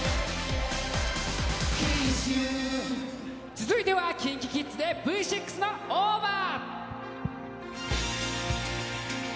続いてはＫｉｎＫｉＫｉｄｓでＶ６の「ｏｖｅｒ」！